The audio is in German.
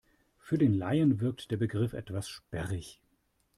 Für den Laien wirkt der Begriff etwas sperrig.